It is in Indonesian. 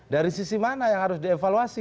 dari sisi mana yang harus dievaluasi